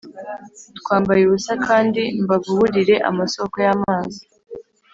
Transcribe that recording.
Twambaye ubusa kandi mbavuburire amasoko y amazi